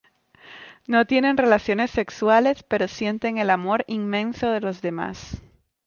No tienen relaciones sexuales, pero sienten el amor inmenso de los demás.